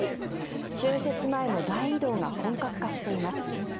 春節前の大移動が本格化しています。